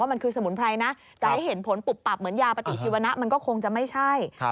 มันคือสมุนไพรนะจะให้เห็นผลปุบปับเหมือนยาปฏิชีวนะมันก็คงจะไม่ใช่